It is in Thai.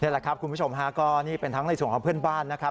แหละครับคุณผู้ชมฮะก็นี่เป็นทั้งในส่วนของเพื่อนบ้านนะครับ